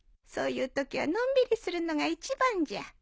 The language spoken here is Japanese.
そういうときはのんびりするのが一番じゃ。